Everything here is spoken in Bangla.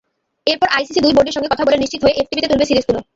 এরপর আইসিসি দুই বোর্ডের সঙ্গে কথা বলে নিশ্চিত হয়ে এফটিপিতে তুলবে সিরিজগুলো।